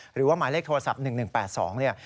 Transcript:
หรือว่าหมายเลขโทรศัพท์๑๑๘๒เนี่ย